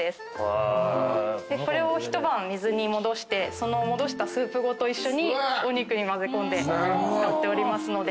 これを一晩水に戻してその戻したスープごと一緒にお肉にまぜ込んで使っておりますので。